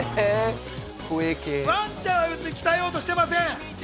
ワンちゃんを鍛えようとはしていません。